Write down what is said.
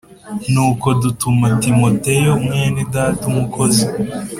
Nuko dutuma Timoteyo mwene Data umukozi